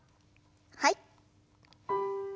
はい。